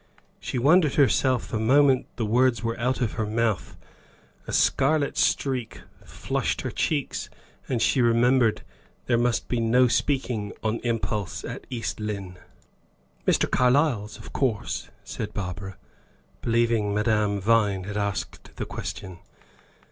She wondered herself the moment the words were out of her mouth. A scarlet streak flushed her cheeks, and she remembered that there must be no speaking upon impulse at East Lynne. "Mr. Carlyle's, of course," said Barbara, believing Madame Vine had asked the question.